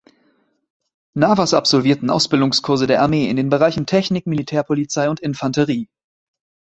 Navas absolvierten Ausbildungskurse der Armee in den Bereichen Technik, Militärpolizei und Infanterie.